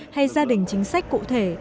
hay gia đình chính sách cụ thể